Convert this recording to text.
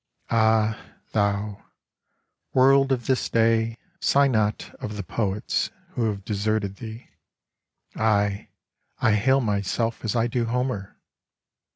Ah thou, world of this day, sigh not of the poets who have deserted thee — aye, I hail myself as I do Homer